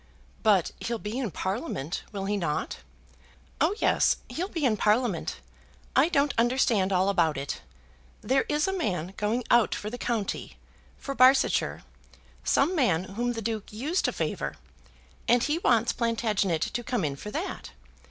"But he'll be in Parliament; will he not?" "Oh, yes; he'll be in Parliament. I don't understand all about it. There is a man going out for the county, for Barsetshire, some man whom the Duke used to favour, and he wants Plantagenet to come in for that.